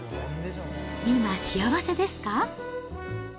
今、幸せですか？